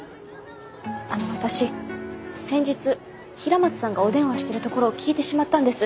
あの私先日平松さんがお電話してるところを聞いてしまったんです。